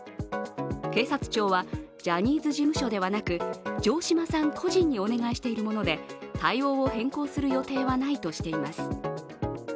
警視庁は、ジャニーズ事務所ではなく城島さん個人にお願いしているもので、対応を変更する予定はないとしています。